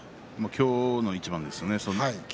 今日の一番ですよね。